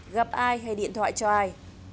gặp ai hay điện thoại cho ai